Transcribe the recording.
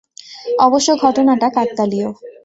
অবশ্য ঘটনাটা কাকতালীয়।